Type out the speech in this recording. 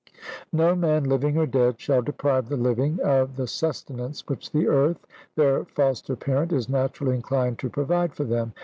No man, living or dead, shall deprive the living of the sustenance which the earth, their foster parent, is naturally inclined to provide for them.